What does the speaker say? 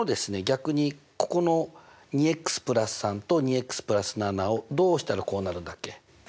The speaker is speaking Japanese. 逆にここの（２＋３どうしたらこうなるんだっけ？